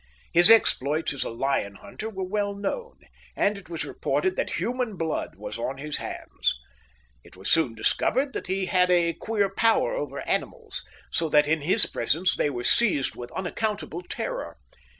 His exploits as a lion hunter were well known, and it was reported that human blood was on his hands. It was soon discovered that he had a queer power over animals, so that in his presence they were seized with unaccountable terror.